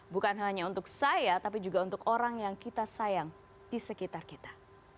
bukan hanya untuk saya tapi juga untuk orang yang kita sayang di sekitar kita